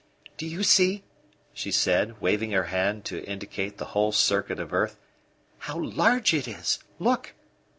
"Do you see," she said, waving her hand to indicate the whole circuit of earth, "how large it is? Look!"